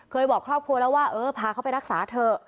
บอกครอบครัวแล้วว่าเออพาเขาไปรักษาเถอะ